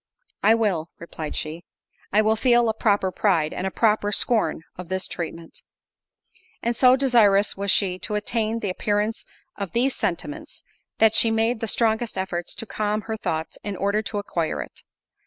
"I will," replied she, "I will feel a proper pride—and a proper scorn of this treatment." And so desirous was she to attain the appearance of these sentiments, that she made the strongest efforts to calm her thoughts, in order to acquire it.